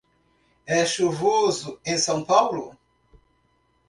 É chuvoso em São Paulo?